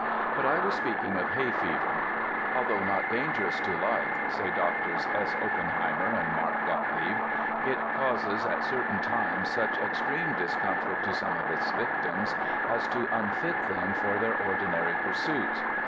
But I was speaking of hay fever. "Although not dangerous to life," say Drs. S. Oppenheimer and Mark Gottlieb, "it causes at certain times such extreme discomfort to some of its victims as to unfit them for their ordinary pursuits.